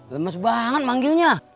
lemes banget manggilnya